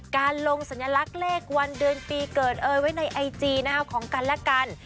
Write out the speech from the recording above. การลงสัญลักษณ์เลขวันเดือนปีเกิดเอ่ยไว้ในไอจีของกันและกัน